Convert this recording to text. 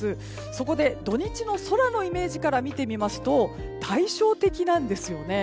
そこで、土日の空のイメージから見てみますと対照的なんですよね。